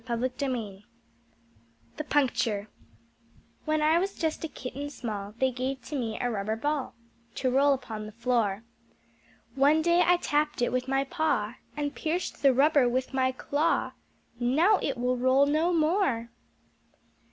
The Puncture When I was just a Kitten small, They gave to me a Rubber Ball To roll upon the floor. One day I tapped it with my paw And pierced the rubber with my claw; Now it will roll no more.